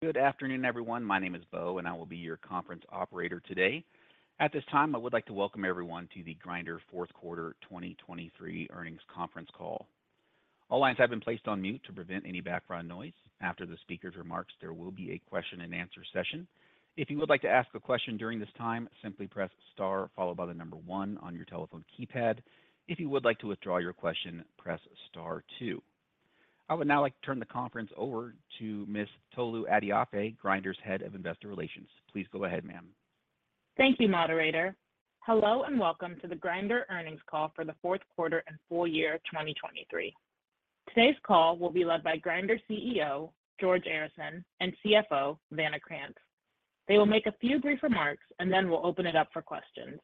Good afternoon, everyone. My name is Bo, and I will be your conference operator today. At this time, I would like to welcome everyone to the Grindr Q4 2023 earnings conference call. All lines have been placed on mute to prevent any background noise. After the speaker's remarks, there will be a question-and-answer session. If you would like to ask a question during this time, simply press star, followed by the number one on your telephone keypad. If you would like to withdraw your question, press star two. I would now like to turn the conference over to Ms. Tolu Adeofe, Grindr's head of investor relations. Please go ahead, ma'am. Thank you, moderator. Hello and welcome to the Grindr earnings call for the Q4 and Full Year 2023. Today's call will be led by Grindr CEO George Arison and CFO Vanna Krantz. They will make a few brief remarks, and then we'll open it up for questions.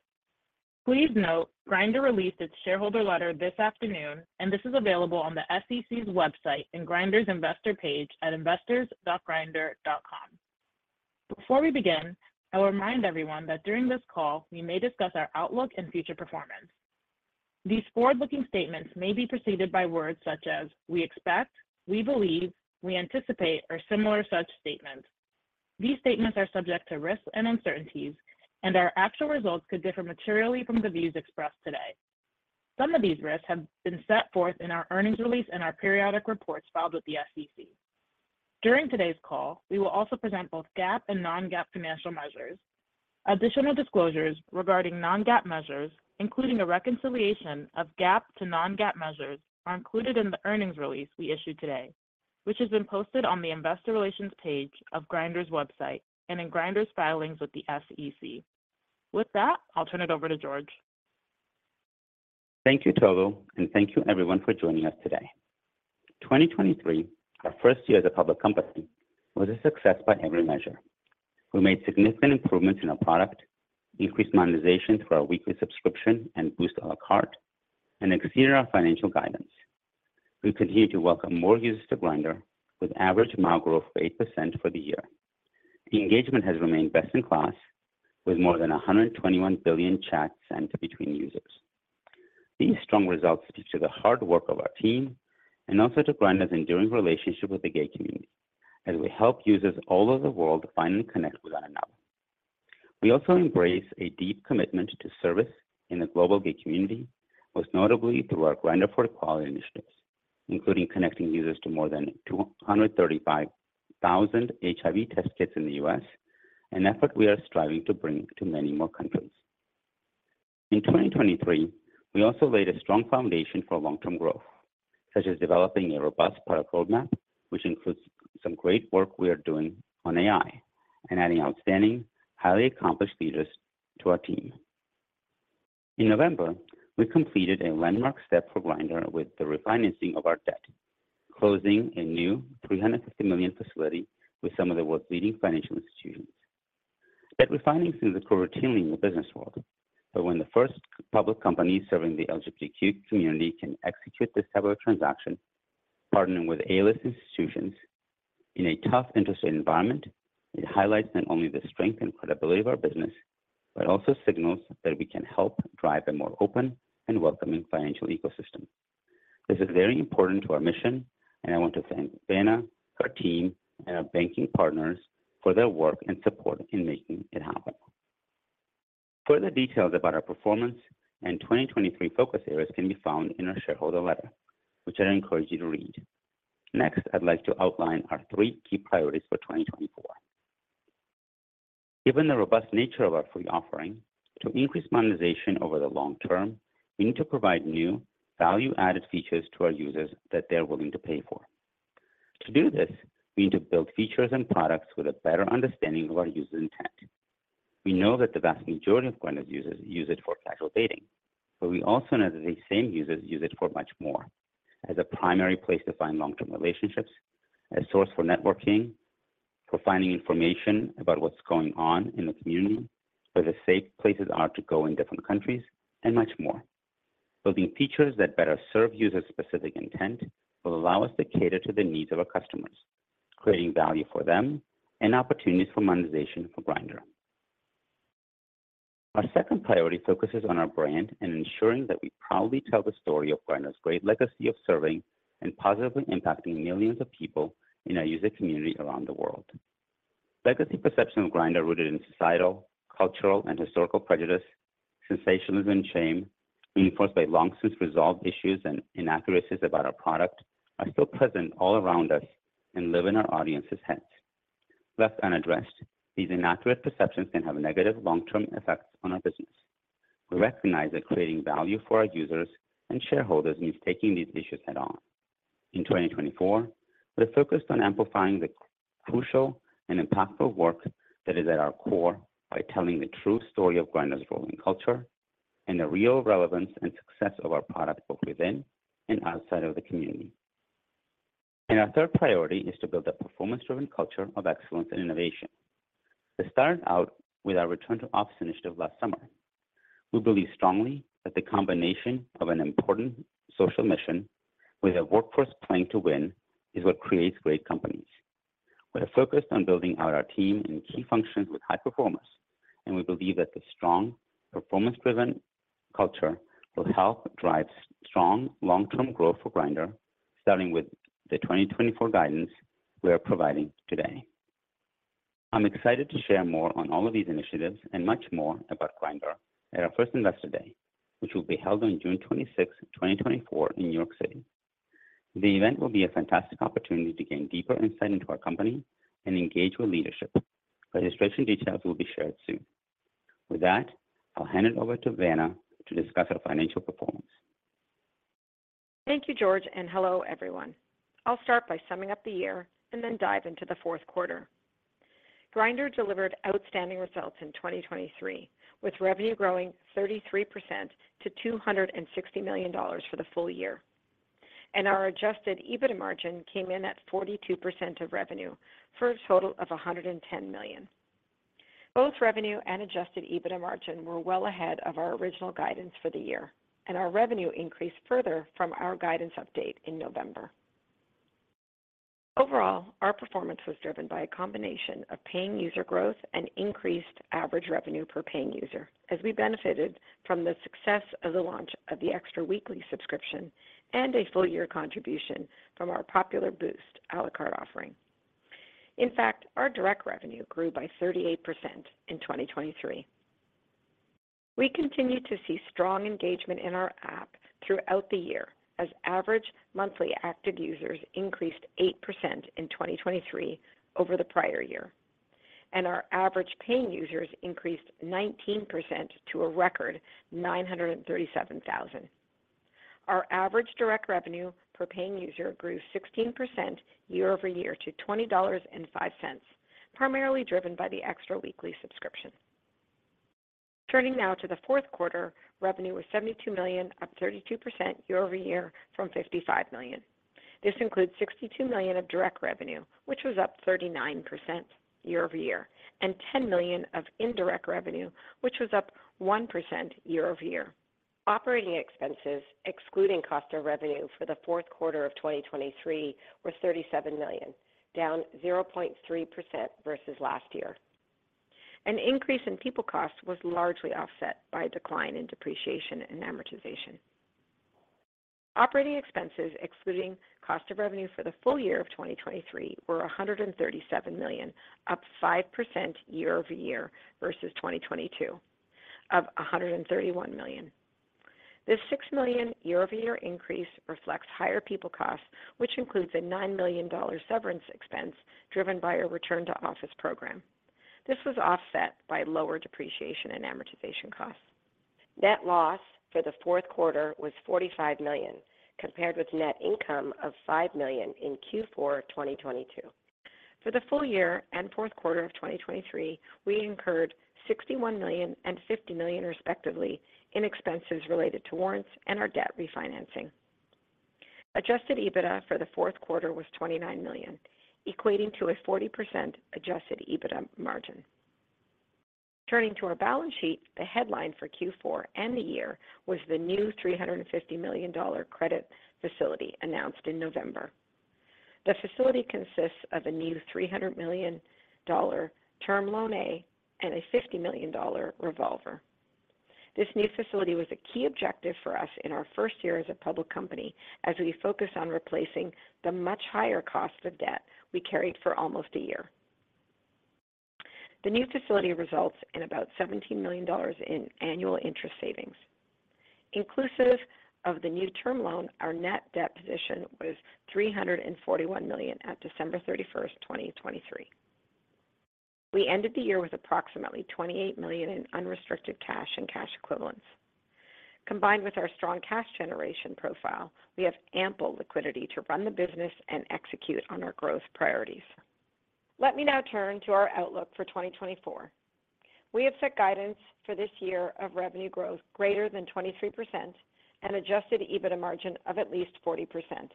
Please note, Grindr released its shareholder letter this afternoon, and this is available on the SEC's website and Grindr's investor page at investors.grindr.com. Before we begin, I'll remind everyone that during this call, we may discuss our outlook and future performance. These forward-looking statements may be preceded by words such as "we expect," "we believe," "we anticipate," or similar such statements. These statements are subject to risks and uncertainties, and our actual results could differ materially from the views expressed today. Some of these risks have been set forth in our earnings release and our periodic reports filed with the SEC. During today's call, we will also present both GAAP and non-GAAP financial measures. Additional disclosures regarding non-GAAP measures, including a reconciliation of GAAP to non-GAAP measures, are included in the earnings release we issued today, which has been posted on the investor relations page of Grindr's website and in Grindr's filings with the SEC. With that, I'll turn it over to George. Thank you, Tolu, and thank you, everyone, for joining us today. 2023, our first year as a public company, was a success by every measure. We made significant improvements in our product, increased monetization through our weekly subscription and Boost à la carte, and exceeded our financial guidance. We continue to welcome more users to Grindr with average MAU growth of 8% for the year. Engagement has remained best in class, with more than 121 billion chats sent between users. These strong results speak to the hard work of our team and also to Grindr's enduring relationship with the gay community, as we help users all over the world finally connect with one another. We also embrace a deep commitment to service in the global gay community, most notably through our Grindr for Equality initiatives, including connecting users to more than 235,000 HIV test kits in the U.S., an effort we are striving to bring to many more countries. In 2023, we also laid a strong foundation for long-term growth, such as developing a robust product roadmap, which includes some great work we are doing on AI and adding outstanding, highly accomplished leaders to our team. In November, we completed a landmark step for Grindr with the refinancing of our debt, closing a new $350 million facility with some of the world's leading financial institutions. Debt refinancing is a core routine in the business world, but when the first public company serving the LGBTQ community can execute this type of transaction, partnering with A-List institutions in a tough interest rate environment, it highlights not only the strength and credibility of our business but also signals that we can help drive a more open and welcoming financial ecosystem. This is very important to our mission, and I want to thank Vanna, her team, and our banking partners for their work and support in making it happen. Further details about our performance and 2023 focus areas can be found in our shareholder letter, which I encourage you to read. Next, I'd like to outline our three key priorities for 2024. Given the robust nature of our free offering, to increase monetization over the long term, we need to provide new value-added features to our users that they're willing to pay for. To do this, we need to build features and products with a better understanding of our user's intent. We know that the vast majority of Grindr's users use it for casual dating, but we also know that the same users use it for much more: as a primary place to find long-term relationships, a source for networking, for finding information about what's going on in the community, where the safe places are to go in different countries, and much more. Building features that better serve users' specific intent will allow us to cater to the needs of our customers, creating value for them and opportunities for monetization for Grindr. Our second priority focuses on our brand and ensuring that we proudly tell the story of Grindr's great legacy of serving and positively impacting millions of people in our user community around the world. Legacy perceptions of Grindr, rooted in societal, cultural, and historical prejudice, sensationalism, and shame, reinforced by long-since resolved issues and inaccuracies about our product, are still present all around us and live in our audiences' heads. Left unaddressed, these inaccurate perceptions can have negative long-term effects on our business. We recognize that creating value for our users and shareholders means taking these issues head-on. In 2024, we're focused on amplifying the crucial and impactful work that is at our core by telling the true story of Grindr's role in culture and the real relevance and success of our product both within and outside of the community. Our third priority is to build a performance-driven culture of excellence and innovation. This started out with our return to office initiative last summer. We believe strongly that the combination of an important social mission with a workforce playing to win is what creates great companies. We are focused on building out our team in key functions with high performers, and we believe that the strong performance-driven culture will help drive strong long-term growth for Grindr, starting with the 2024 guidance we are providing today. I'm excited to share more on all of these initiatives and much more about Grindr at our first investor day, which will be held on June 26, 2024, in New York City. The event will be a fantastic opportunity to gain deeper insight into our company and engage with leadership. Registration details will be shared soon. With that, I'll hand it over to Vanna to discuss our financial performance. Thank you, George, and hello, everyone. I'll start by summing up the year and then dive into the Q4. Grindr delivered outstanding results in 2023, with revenue growing 33% to $260 million for the full year, and our Adjusted EBITDA margin came in at 42% of revenue, for a total of $110 million. Both revenue and Adjusted EBITDA margin were well ahead of our original guidance for the year, and our revenue increased further from our guidance update in November. Overall, our performance was driven by a combination of paying user growth and increased average revenue per paying user, as we benefited from the success of the launch of the Extra weekly subscription and a full-year contribution from our popular Boost à la carte offering. In fact, our direct revenue grew by 38% in 2023. We continue to see strong engagement in our app throughout the year, as average monthly active users increased 8% in 2023 over the prior year, and our average paying users increased 19% to a record 937,000. Our average direct revenue per paying user grew 16% year-over-year to $20.05, primarily driven by the Extra weekly subscription. Turning now to the Q4, revenue was $72 million, up 32% year-over-year from $55 million. This includes $62 million of direct revenue, which was up 39% year-over-year, and $10 million of indirect revenue, which was up 1% year-over-year. Operating expenses, excluding cost of revenue for the Q4 of 2023, were $37 million, down 0.3% versus last year. An increase in people costs was largely offset by a decline in depreciation and amortization. Operating expenses, excluding cost of revenue for the full year of 2023, were $137 million, up 5% year-over-year versus 2022, of $131 million. This $6 million year-over-year increase reflects higher people costs, which includes a $9 million severance expense driven by our return to office program. This was offset by lower depreciation and amortization costs. Net loss for the Q4 was $45 million, compared with net income of $5 million in Q4 2022. For the full year and Q4 of 2023, we incurred $61 million and $50 million, respectively, in expenses related to warrants and our debt refinancing. Adjusted EBITDA for the Q4 was $29 million, equating to a 40% Adjusted EBITDA margin. Turning to our balance sheet, the headline for Q4 and the year was the new $350 million credit facility announced in November. The facility consists of a new $300 million Term Loan A and a $50 million revolver. This new facility was a key objective for us in our first year as a public company, as we focused on replacing the much higher cost of debt we carried for almost a year. The new facility results in about $17 million in annual interest savings. Inclusive of the new term loan, our net debt position was $341 million at December 31, 2023. We ended the year with approximately $28 million in unrestricted cash and cash equivalents. Combined with our strong cash generation profile, we have ample liquidity to run the business and execute on our growth priorities. Let me now turn to our outlook for 2024. We have set guidance for this year of revenue growth greater than 23% and Adjusted EBITDA margin of at least 40%.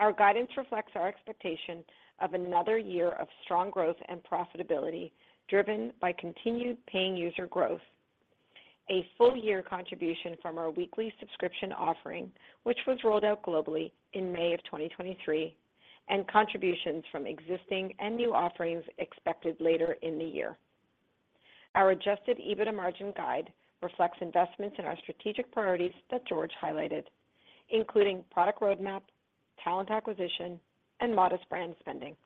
Our guidance reflects our expectation of another year of strong growth and profitability driven by continued paying user growth, a full-year contribution from our weekly subscription offering, which was rolled out globally in May of 2023, and contributions from existing and new offerings expected later in the year. Our Adjusted EBITDA margin guide reflects investments in our strategic priorities that George highlighted, including product roadmap, talent acquisition, and modest brand spending.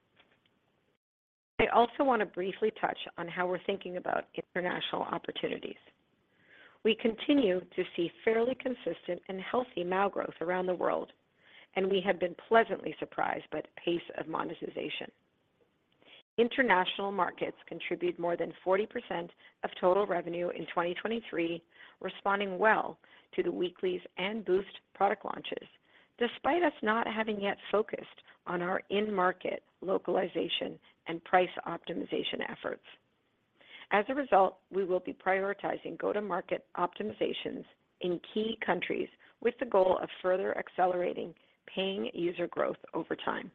I also want to briefly touch on how we're thinking about international opportunities. We continue to see fairly consistent and healthy MAU growth around the world, and we have been pleasantly surprised by the pace of monetization. International markets contribute more than 40% of total revenue in 2023, responding well to the weeklies and Boost product launches, despite us not having yet focused on our in-market localization and price optimization efforts. As a result, we will be prioritizing go-to-market optimizations in key countries with the goal of further accelerating paying user growth over time.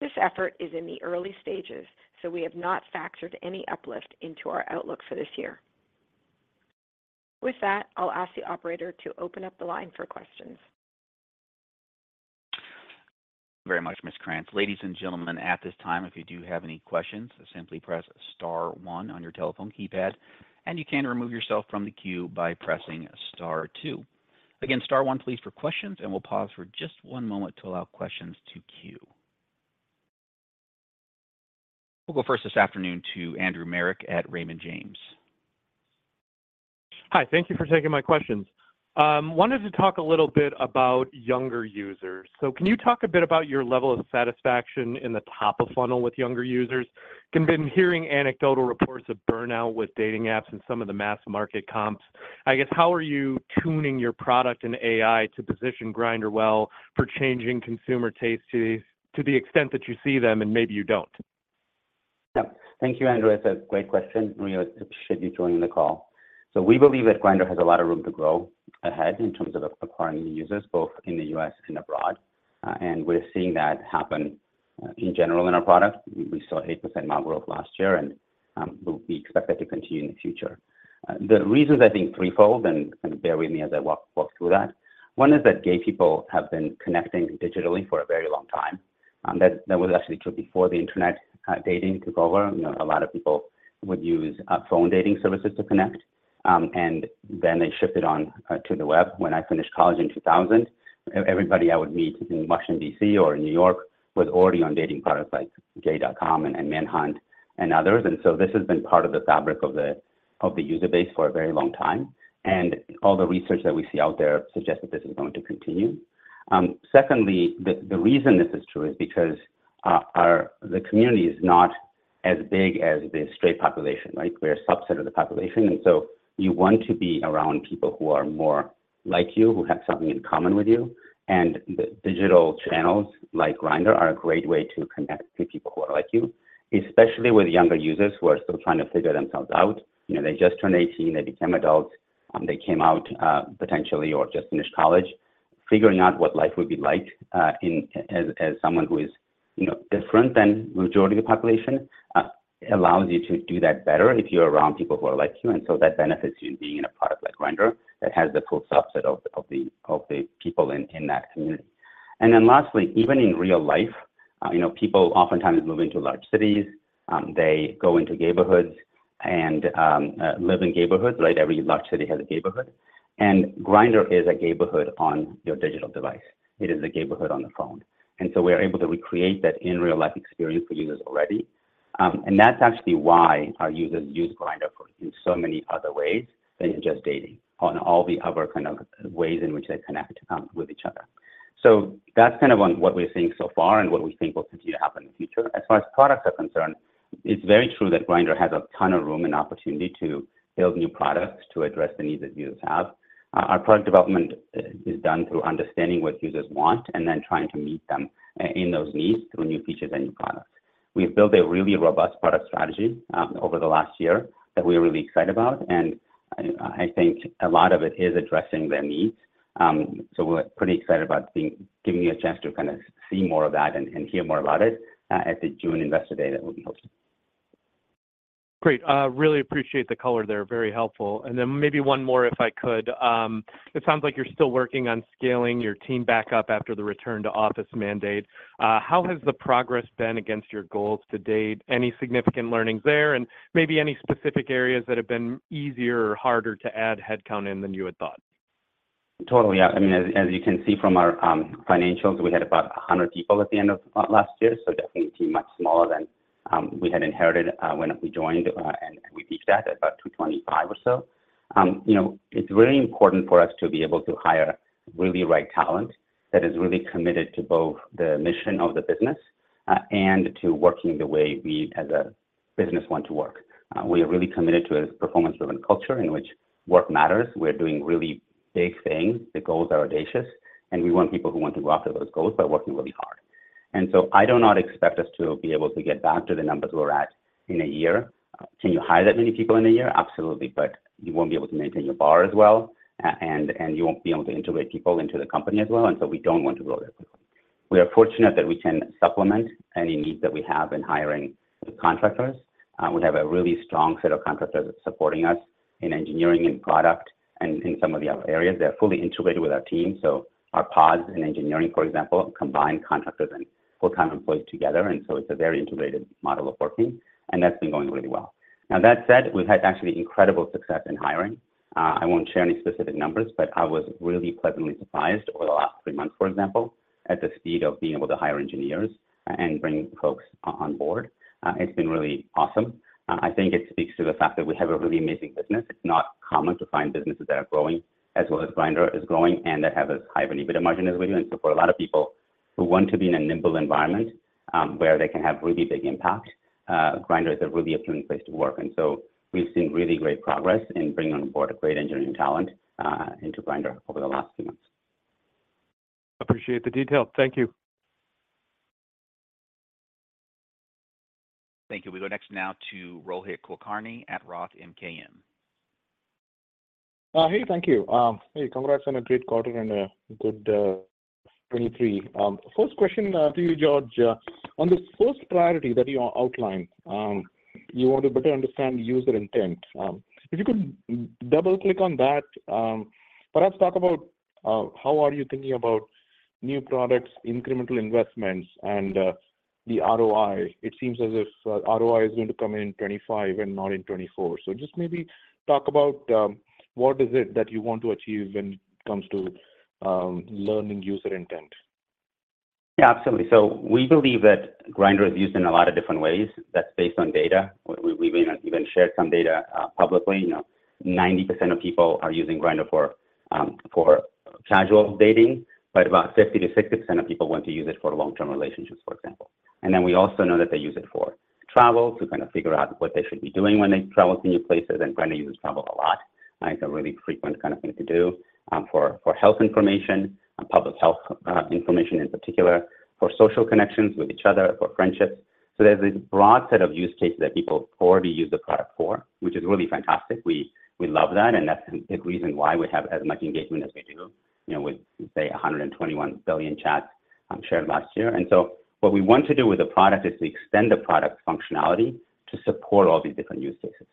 This effort is in the early stages, so we have not factored any uplift into our outlook for this year. With that, I'll ask the operator to open up the line for questions. Very much, Ms. Krantz. Ladies and gentlemen, at this time, if you do have any questions, simply press star one on your telephone keypad, and you can remove yourself from the queue by pressing star two. Again, star one, please, for questions, and we'll pause for just one moment to allow questions to queue. We'll go first this afternoon to Andrew Marok at Raymond James. Hi. Thank you for taking my questions. Wanted to talk a little bit about younger users. So can you talk a bit about your level of satisfaction in the top of funnel with younger users? I've been hearing anecdotal reports of burnout with dating apps and some of the mass market comps. I guess, how are you tuning your product and AI to position Grindr well for changing consumer tastes to the extent that you see them and maybe you don't? Yep. Thank you, Andrew. It's a great question. Really appreciate you joining the call. So we believe that Grindr has a lot of room to grow ahead in terms of acquiring new users, both in the U.S. and abroad, and we're seeing that happen in general in our product. We saw 8% MAU growth last year, and we expect that to continue in the future. The reasons, I think, threefold, and kind of bear with me as I walk through that. One is that gay people have been connecting digitally for a very long time. That was actually true before the internet dating took over. A lot of people would use phone dating services to connect, and then they shifted on to the web. When I finished college in 2000, everybody I would meet in Washington, D.C., or in New York was already on dating products like gay.com and Manhunt and others. And so this has been part of the fabric of the user base for a very long time, and all the research that we see out there suggests that this is going to continue. Secondly, the reason this is true is because the community is not as big as the straight population, right? We're a subset of the population, and so you want to be around people who are more like you, who have something in common with you. And the digital channels like Grindr are a great way to connect with people who are like you, especially with younger users who are still trying to figure themselves out. They just turned 18. They became adults. They came out potentially or just finished college. Figuring out what life would be like as someone who is different than the majority of the population allows you to do that better if you're around people who are like you, and so that benefits you in being in a product like Grindr that has the full subset of the people in that community. Then lastly, even in real life, people oftentimes move into large cities. They go into gayborhoods and live in gayborhoods, right? Every large city has a gayborhood, and Grindr is a gayborhood on your digital device. It is a gayborhood on the phone. So we are able to recreate that in-real-life experience for users already, and that's actually why our users use Grindr in so many other ways than just dating, on all the other kind of ways in which they connect with each other. That's kind of what we're seeing so far and what we think will continue to happen in the future. As far as products are concerned, it's very true that Grindr has a ton of room and opportunity to build new products to address the needs that users have. Our product development is done through understanding what users want and then trying to meet them in those needs through new features and new products. We've built a really robust product strategy over the last year that we're really excited about, and I think a lot of it is addressing their needs. We're pretty excited about giving you a chance to kind of see more of that and hear more about it at the June investor day that we'll be hosting. Great. Really appreciate the color there. Very helpful. And then maybe one more, if I could. It sounds like you're still working on scaling your team back up after the return to office mandate. How has the progress been against your goals to date? Any significant learnings there and maybe any specific areas that have been easier or harder to add headcount in than you had thought? Totally. Yeah. I mean, as you can see from our financials, we had about 100 people at the end of last year, so definitely a team much smaller than we had inherited when we joined, and we peaked at about 225 or so. It's very important for us to be able to hire the right talent that is really committed to both the mission of the business and to working the way we as a business want to work. We are really committed to a performance-driven culture in which work matters. We're doing really big things. The goals are audacious, and we want people who want to go after those goals by working really hard. So I do not expect us to be able to get back to the numbers we're at in a year. Can you hire that many people in a year? Absolutely, but you won't be able to maintain your bar as well, and you won't be able to integrate people into the company as well, and so we don't want to grow that quickly. We are fortunate that we can supplement any needs that we have in hiring contractors. We have a really strong set of contractors supporting us in engineering and product and in some of the other areas. They're fully integrated with our team, so our pods in engineering, for example, combine contractors and full-time employees together, and so it's a very integrated model of working, and that's been going really well. Now, that said, we've had actually incredible success in hiring. I won't share any specific numbers, but I was really pleasantly surprised over the last three months, for example, at the speed of being able to hire engineers and bring folks on board. It's been really awesome. I think it speaks to the fact that we have a really amazing business. It's not common to find businesses that are growing as well as Grindr is growing and that have as high of an EBITDA margin as we do. And so for a lot of people who want to be in a nimble environment where they can have really big impact, Grindr is a really appealing place to work. And so we've seen really great progress in bringing on board great engineering talent into Grindr over the last few months. Appreciate the detail. Thank you. Thank you. We go next now to Rohit Kulkarni at Roth MKM. Hey. Thank you. Hey. Congrats on a great quarter and a good 2023. First question to you, George. On the first priority that you outlined, you want to better understand user intent. If you could double-click on that, perhaps talk about how are you thinking about new products, incremental investments, and the ROI. It seems as if ROI is going to come in 2025 and not in 2024. So just maybe talk about what is it that you want to achieve when it comes to learning user intent. Yeah. Absolutely. So we believe that Grindr is used in a lot of different ways. That's based on data. We've even shared some data publicly. 90% of people are using Grindr for casual dating, but about 50%-60% of people want to use it for long-term relationships, for example. And then we also know that they use it for travel, to kind of figure out what they should be doing when they travel to new places. And Grindr uses travel a lot. It's a really frequent kind of thing to do for health information, public health information in particular, for social connections with each other, for friendships. So there's this broad set of use cases that people already use the product for, which is really fantastic. We love that, and that's a big reason why we have as much engagement as we do with, say, 121 billion chats shared last year. And so what we want to do with the product is to extend the product functionality to support all these different use cases.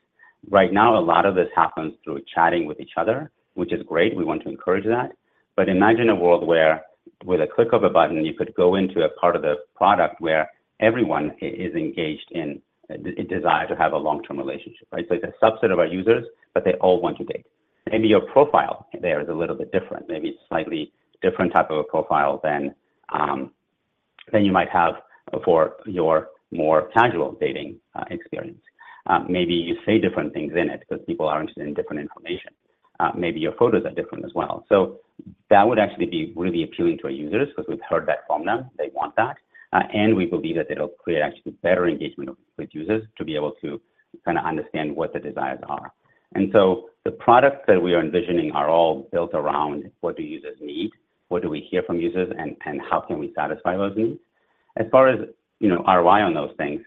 Right now, a lot of this happens through chatting with each other, which is great. We want to encourage that. But imagine a world where, with a click of a button, you could go into a part of the product where everyone is engaged in a desire to have a long-term relationship, right? So it's a subset of our users, but they all want to date. Maybe your profile there is a little bit different. Maybe it's a slightly different type of a profile than you might have for your more casual dating experience. Maybe you say different things in it because people are interested in different information. Maybe your photos are different as well. So that would actually be really appealing to our users because we've heard that from them. They want that, and we believe that it'll create actually better engagement with users to be able to kind of understand what the desires are. And so the products that we are envisioning are all built around what do users need, what do we hear from users, and how can we satisfy those needs. As far as ROI on those things,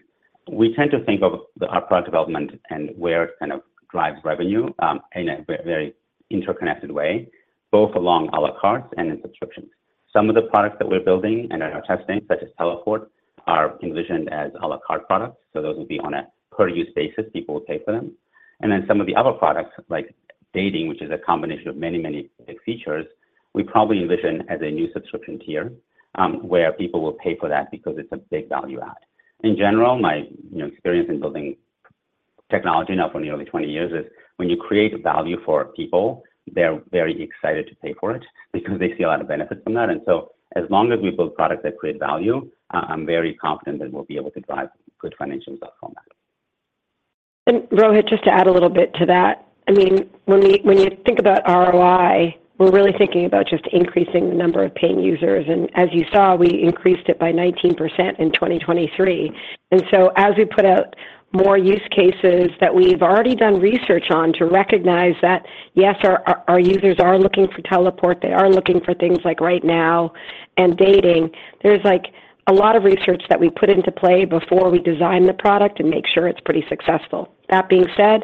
we tend to think of our product development and where it kind of drives revenue in a very interconnected way, both along à la carte and in subscriptions. Some of the products that we're building and are testing, such as Teleport, are envisioned as à la carte products. So those will be on a per-use basis. People will pay for them. And then some of the other products, like dating, which is a combination of many, many big features, we probably envision as a new subscription tier where people will pay for that because it's a big value add. In general, my experience in building technology now for nearly 20 years is when you create value for people, they're very excited to pay for it because they see a lot of benefits from that. And so as long as we build products that create value, I'm very confident that we'll be able to drive good financials out from that. Rohit, just to add a little bit to that, I mean, when you think about ROI, we're really thinking about just increasing the number of paying users. As you saw, we increased it by 19% in 2023. So as we put out more use cases that we've already done research on to recognize that, yes, our users are looking for Teleport. They are looking for things like Right Now and dating. There's a lot of research that we put into play before we design the product and make sure it's pretty successful. That being said,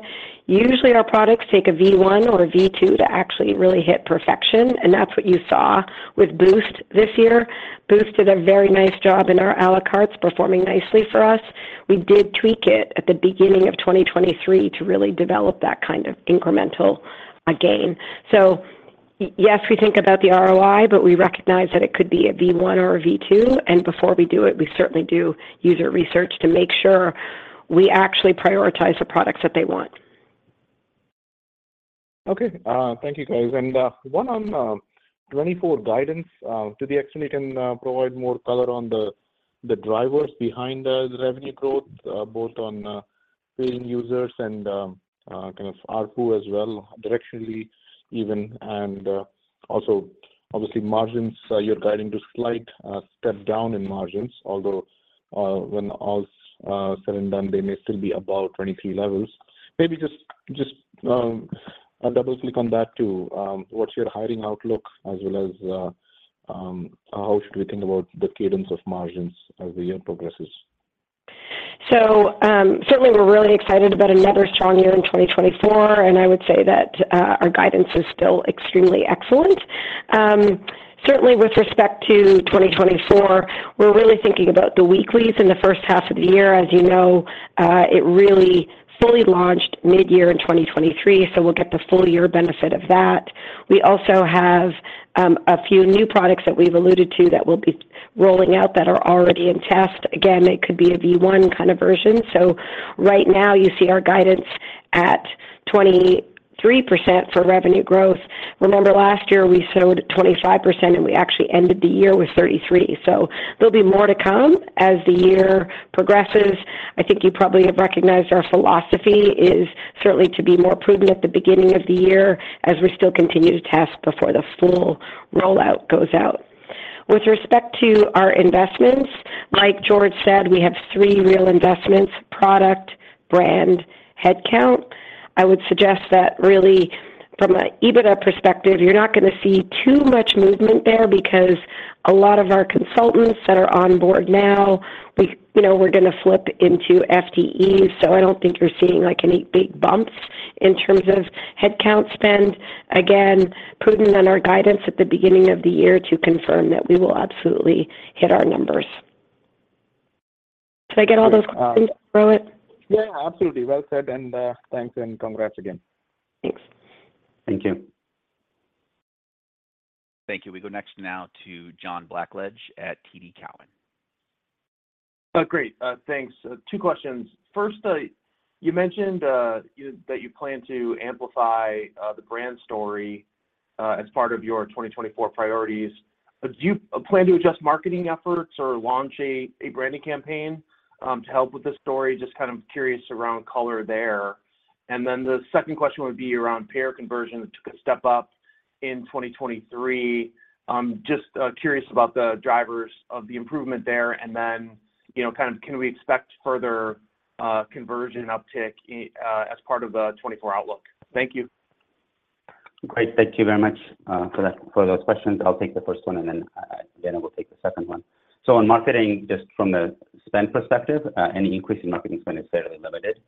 usually, our products take a V1 or a V2 to actually really hit perfection, and that's what you saw with Boost this year. Boost did a very nice job in our à la carte, performing nicely for us. We did tweak it at the beginning of 2023 to really develop that kind of incremental gain. So yes, we think about the ROI, but we recognize that it could be a V1 or a V2, and before we do it, we certainly do user research to make sure we actually prioritize the products that they want. Okay. Thank you, guys. One on 2024 guidance. Do they actually can provide more color on the drivers behind the revenue growth, both on paying users and kind of ARPU as well, directionally even, and also, obviously, margins? You're guiding to a slight step down in margins, although when all's said and done, they may still be above 2023 levels. Maybe just a double-click on that too. What's your hiring outlook as well as how should we think about the cadence of margins as the year progresses? So certainly, we're really excited about another strong year in 2024, and I would say that our guidance is still extremely excellent. Certainly, with respect to 2024, we're really thinking about the weeklies in the first half of the year. As you know, it really fully launched midyear in 2023, so we'll get the full-year benefit of that. We also have a few new products that we've alluded to that we'll be rolling out that are already in test. Again, it could be a V1 kind of version. So right now, you see our guidance at 23% for revenue growth. Remember, last year, we showed 25%, and we actually ended the year with 33%. So there'll be more to come as the year progresses. I think you probably have recognized our philosophy is certainly to be more prudent at the beginning of the year as we still continue to test before the full rollout goes out. With respect to our investments, like George said, we have three real investments: product, brand, headcount. I would suggest that, really, from an EBITDA perspective, you're not going to see too much movement there because a lot of our consultants that are on board now, we're going to flip into FTEs, so I don't think you're seeing any big bumps in terms of headcount spend. Again, prudent on our guidance at the beginning of the year to confirm that we will absolutely hit our numbers. Did I get all those questions, Rohit? Yeah. Absolutely. Well said, and thanks and congrats again. Thanks. Thank you. Thank you. We go next now to John Blackledge at TD Cowen. Great. Thanks. Two questions. First, you mentioned that you plan to amplify the brand story as part of your 2024 priorities. Do you plan to adjust marketing efforts or launch a branding campaign to help with the story? Just kind of curious around color there. And then the second question would be around paying conversion that took a step up in 2023. Just curious about the drivers of the improvement there, and then kind of can we expect further conversion uptick as part of the 2024 outlook? Thank you. Great. Thank you very much for those questions. I'll take the first one, and then Vanna will take the second one. So on marketing, just from a spend perspective, any increase in marketing spend is fairly limited,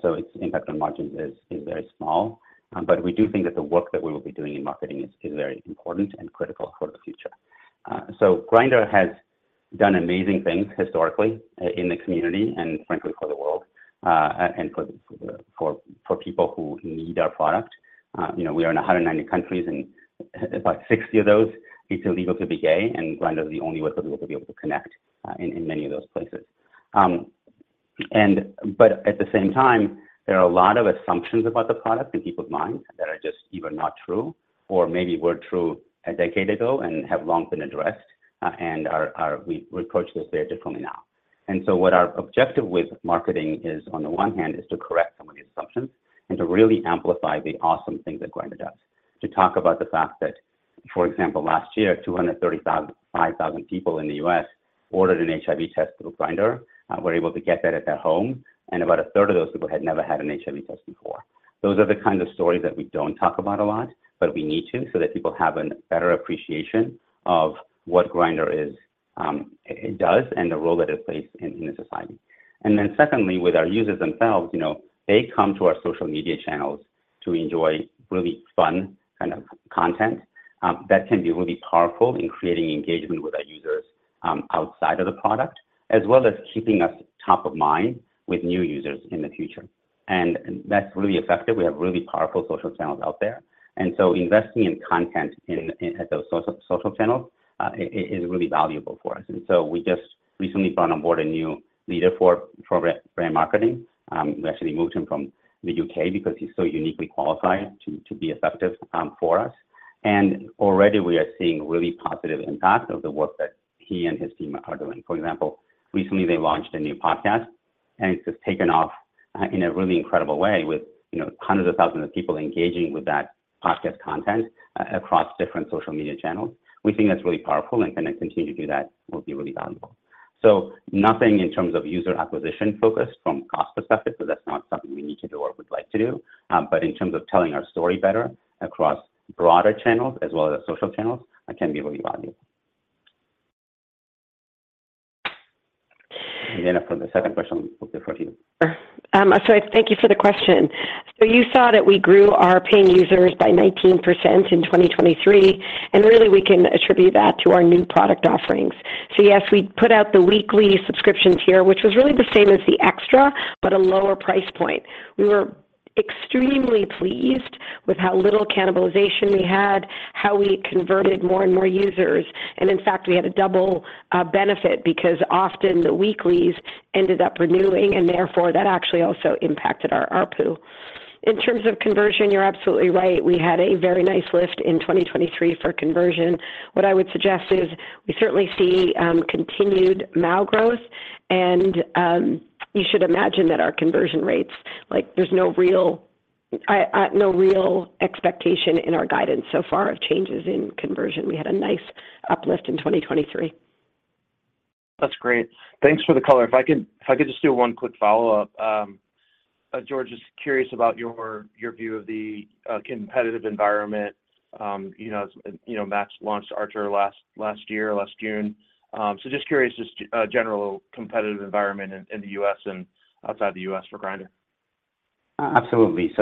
so its impact on margins is very small. But we do think that the work that we will be doing in marketing is very important and critical for the future. So Grindr has done amazing things historically in the community and, frankly, for the world and for people who need our product. We are in 190 countries, and about 60 of those, it's illegal to be gay, and Grindr is the only way for people to be able to connect in many of those places. But at the same time, there are a lot of assumptions about the product in people's minds that are just either not true or maybe were true a decade ago and have long been addressed, and we approach those very differently now. And so what our objective with marketing is, on the one hand, is to correct some of these assumptions and to really amplify the awesome things that Grindr does, to talk about the fact that, for example, last year, 235,000 people in the U.S. ordered an HIV test through Grindr. We're able to get that at their home, and about a third of those people had never had an HIV test before. Those are the kinds of stories that we don't talk about a lot, but we need to so that people have a better appreciation of what Grindr does and the role that it plays in society. And then secondly, with our users themselves, they come to our social media channels to enjoy really fun kind of content. That can be really powerful in creating engagement with our users outside of the product as well as keeping us top of mind with new users in the future. That's really effective. We have really powerful social channels out there, and so investing in content at those social channels is really valuable for us. We just recently brought on board a new leader for brand marketing. We actually moved him from the U.K. because he's so uniquely qualified to be effective for us. Already, we are seeing really positive impact of the work that he and his team are doing. For example, recently, they launched a new podcast, and it's just taken off in a really incredible way with hundreds of thousands of people engaging with that podcast content across different social media channels. We think that's really powerful, and can it continue to do that? That will be really valuable. So nothing in terms of user acquisition, focused from cost perspective, because that's not something we need to do or would like to do, but in terms of telling our story better across broader channels as well as social channels, can be really valuable. Vanna, for the second question, we'll defer to you. Sure. So thank you for the question. So you saw that we grew our paying users by 19% in 2023, and really, we can attribute that to our new product offerings. So yes, we put out the weekly subscriptions here, which was really the same as the Extra but a lower price point. We were extremely pleased with how little cannibalization we had, how we converted more and more users. And in fact, we had a double benefit because often, the weeklies ended up renewing, and therefore, that actually also impacted our ARPU. In terms of conversion, you're absolutely right. We had a very nice lift in 2023 for conversion. What I would suggest is we certainly see continued growth, and you should imagine that our conversion rates. There's no real expectation in our guidance so far of changes in conversion. We had a nice uplift in 2023. That's great. Thanks for the color. If I could just do one quick follow-up, George, just curious about your view of the competitive environment. Match launched Archer last year, last June. So just curious just general competitive environment in the U.S. and outside the U.S. for Grindr. Absolutely.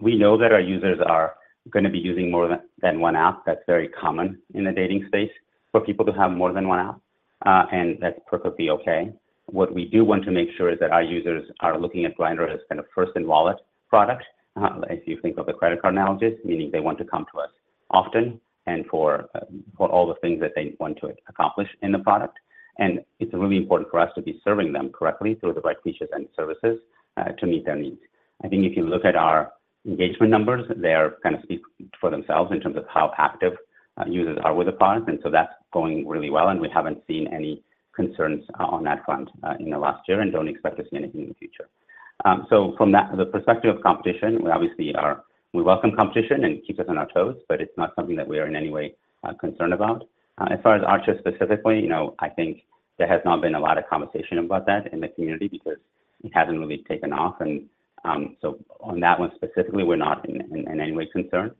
We know that our users are going to be using more than one app. That's very common in the dating space for people to have more than one app, and that's perfectly okay. What we do want to make sure is that our users are looking at Grindr as kind of first-in-wallet product, if you think of the credit card analogy, meaning they want to come to us often and for all the things that they want to accomplish in the product. It's really important for us to be serving them correctly through the right features and services to meet their needs. I think if you look at our engagement numbers, they kind of speak for themselves in terms of how active users are with the product. That's going really well, and we haven't seen any concerns on that front in the last year and don't expect to see anything in the future. From the perspective of competition, we obviously welcome competition and keep us on our toes, but it's not something that we are in any way concerned about. As far as Archer specifically, I think there has not been a lot of conversation about that in the community because it hasn't really taken off. On that one specifically, we're not in any way concerned,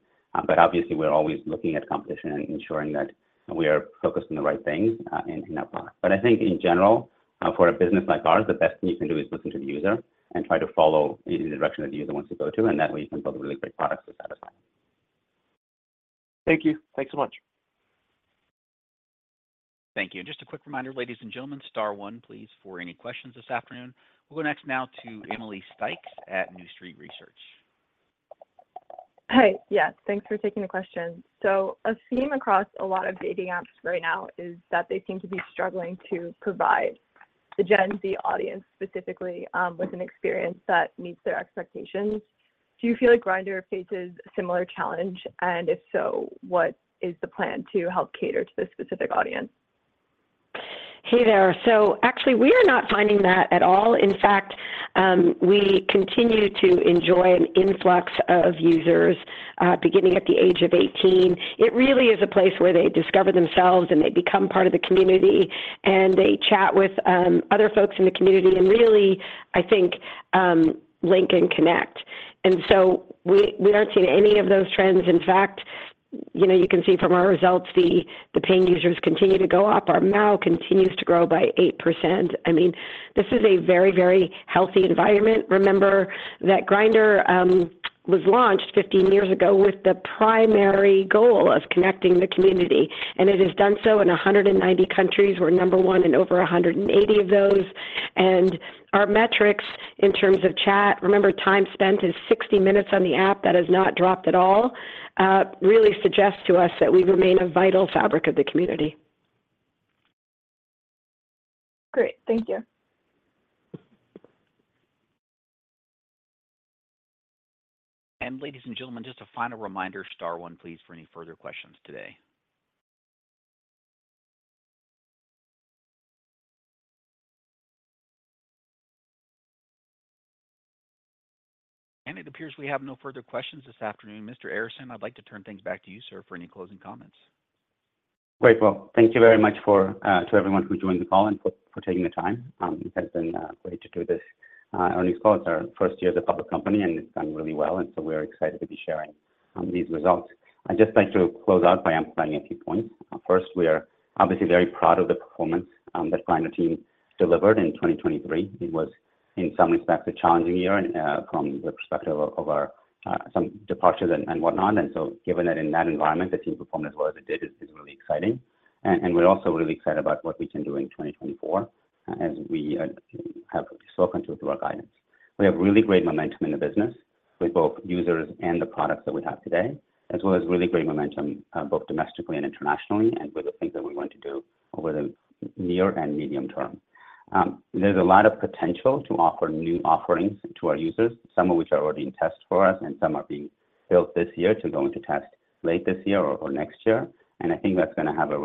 but obviously, we're always looking at competition and ensuring that we are focused on the right things in our product. I think, in general, for a business like ours, the best thing you can do is listen to the user and try to follow in the direction that the user wants to go to, and that way, you can build really great products to satisfy. Thank you. Thanks so much. Thank you. Just a quick reminder, ladies and gentlemen, star one, please, for any questions this afternoon. We'll go next now to Emily Stykes at New Street Research. Hi. Yes. Thanks for taking the question. A theme across a lot of dating apps right now is that they seem to be struggling to provide the Gen Z audience specifically with an experience that meets their expectations. Do you feel like Grindr faces a similar challenge, and if so, what is the plan to help cater to this specific audience? Hey there. So actually, we are not finding that at all. In fact, we continue to enjoy an influx of users beginning at the age of 18. It really is a place where they discover themselves, and they become part of the community, and they chat with other folks in the community and really, I think, link and connect. And so we aren't seeing any of those trends. In fact, you can see from our results, the paying users continue to go up. Our MAU continues to grow by 8%. I mean, this is a very, very healthy environment. Remember that Grindr was launched 15 years ago with the primary goal of connecting the community, and it has done so in 190 countries. We're number one in over 180 of those. And our metrics in terms of chat, remember, time spent is 60 minutes on the app. That has not dropped at all, really suggests to us that we remain a vital fabric of the community. Great. Thank you. Ladies and gentlemen, just a final reminder, star one, please, for any further questions today. It appears we have no further questions this afternoon. Mr. Arison, I'd like to turn things back to you, sir, for any closing comments. Great. Well, thank you very much to everyone who joined the call and for taking the time. It has been great to do this earnings call. It's our first year as a public company, and it's gone really well, and so we are excited to be sharing these results. I'd just like to close out by amplifying a few points. First, we are obviously very proud of the performance that Grindr team delivered in 2023. It was, in some respects, a challenging year from the perspective of some departures and whatnot. And so given that in that environment, the team performed as well as it did is really exciting. We're also really excited about what we can do in 2024 as we have spoken to through our guidance. We have really great momentum in the business with both users and the products that we have today as well as really great momentum both domestically and internationally and with the things that we want to do over the near and medium term. There's a lot of potential to offer new offerings to our users, some of which are already in test for us, and some are being built this year to go into test late this year or next year. And I think that's going to have a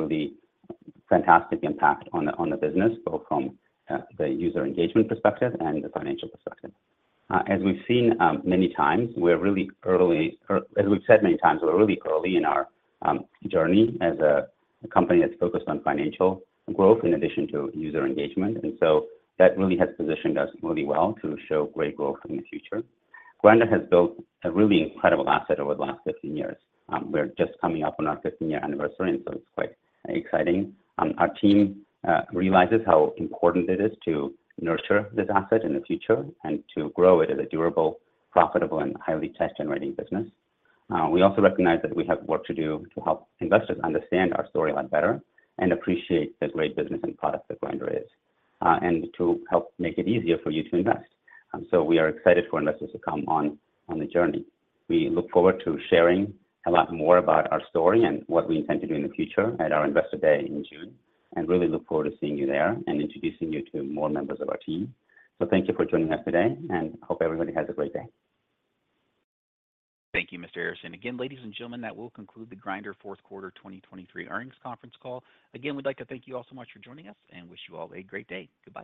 really fantastic impact on the business both from the user engagement perspective and the financial perspective. As we've seen many times, we're really early as we've said many times, we're really early in our journey as a company that's focused on financial growth in addition to user engagement. And so that really has positioned us really well to show great growth in the future. Grindr has built a really incredible asset over the last 15 years. We're just coming up on our 15-year anniversary, and so it's quite exciting. Our team realizes how important it is to nurture this asset in the future and to grow it as a durable, profitable, and highly tax-generating business. We also recognize that we have work to do to help investors understand our story a lot better and appreciate the great business and product that Grindr is and to help make it easier for you to invest. So we are excited for investors to come on the journey. We look forward to sharing a lot more about our story and what we intend to do in the future at our investor day in June and really look forward to seeing you there and introducing you to more members of our team. So thank you for joining us today, and hope everybody has a great day. Thank you, Mr. Arison. Again, ladies and gentlemen, that will conclude the Grindr Q4 2023 earnings conference call. Again, we'd like to thank you all so much for joining us and wish you all a great day. Goodbye.